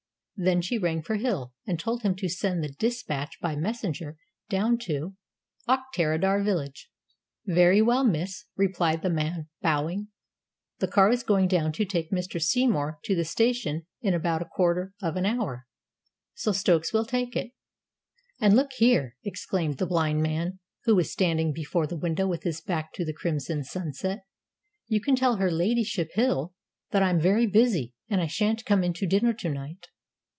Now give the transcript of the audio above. Then she rang for Hill, and told him to send the despatch by messenger down to Auchterarder village. "Very well, miss," replied the man, bowing. "The car is going down to take Mr. Seymour to the station in about a quarter of an hour, so Stokes will take it." "And look here," exclaimed the blind man, who was standing before the window with his back to the crimson sunset, "you can tell her ladyship, Hill, that I'm very busy, and I shan't come in to dinner to night.